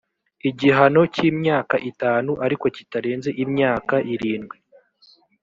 igihano cy’imyaka itanu ariko kitarenze imyaka irindwi